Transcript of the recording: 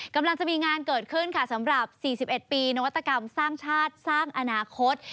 กำลังจะมีงานเกิดขึ้นค่ะสำหรับ๔๑ปีนวัตกรรมสร้างชาติสร้างอนาคต